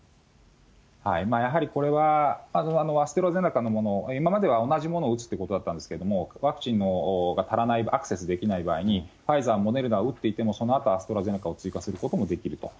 やはりこれは、アストラゼネカのもの、今までは同じものを打つってことだったんですけれども、ワクチンが足らない、アクセスできない場合に、ファイザー、モデルナを打っていても、そのあとアストラゼネカを追加することもできると。